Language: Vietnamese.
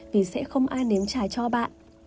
vì sẽ không ai nếm chảy cho bạn